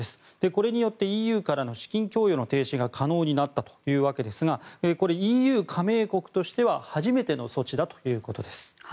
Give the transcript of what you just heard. これによってＥＵからの資金供与の停止が可能になったということですがこれはＥＵ加盟国としては初めての措置だということです。